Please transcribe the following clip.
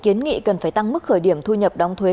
kiến nghị cần phải tăng mức khởi điểm thu nhập đóng thuế